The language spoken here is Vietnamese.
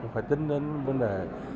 phải tính đến vấn đề